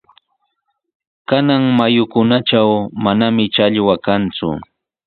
Kanan mayukunatraw mananami challwa kanku.